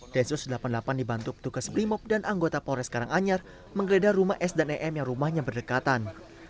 densus delapan puluh delapan dibantu petugas brimob dan anggota polres karanganyar menggeledah rumah s dan em yang rumahnya berdekatan